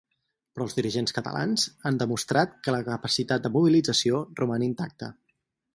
Però els dirigents catalans han demostrat que la capacitat de mobilització roman intacta.